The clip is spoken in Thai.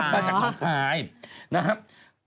เอารถมาจากหนองคายนะครับ